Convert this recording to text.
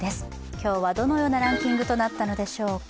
今日は、どのようなランキングとなったのでしょうか。